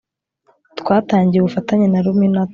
twatangiye ubufatanye na luminato